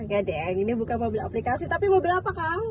gede ini bukan mobil aplikasi tapi mobil apa kang